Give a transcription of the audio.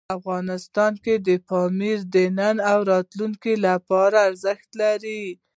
افغانستان کې پامیر د نن او راتلونکي لپاره ارزښت لري.